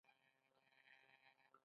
د فیلانو کارول په جنګ کې دود و